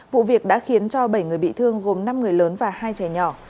vụ việc đã khiến cho bảy người bị thương gồm năm người lớn và hai trẻ nhỏ